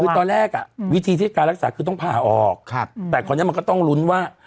คือตอนแรกอ่ะวิธีที่การรักษาคือต้องผ่าออกแต่คราวนี้มันก็ต้องลุ้นว่า